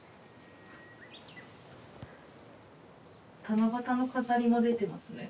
七夕の飾りも出てますね。